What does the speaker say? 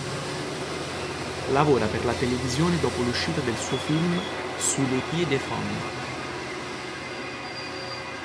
Lavora per la televisione dopo l'uscita del suo film "Sous les pieds des femmes".